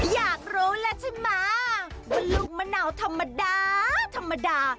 อยากรู้แล้วใช่ไหมว่าลูกมะนาวธรรมดาธรรมดา